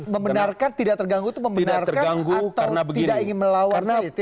membenarkan tidak terganggu itu membenarkan atau tidak ingin melawan saja